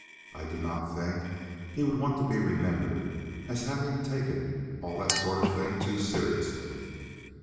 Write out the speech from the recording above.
I do not think he would want to be remembered as having taken all that sort of thing too seriously.